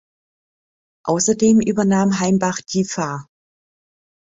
Außerdem übernahm Heimbach die Fa.